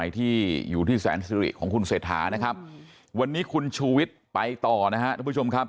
ที่อยู่ที่แสนสิริของคุณเศรษฐานะครับวันนี้คุณชูวิทย์ไปต่อนะครับทุกผู้ชมครับ